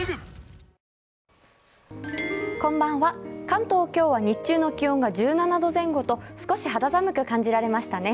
関東、今日は日中の気温が１７度前後と少し肌寒く感じられましたね。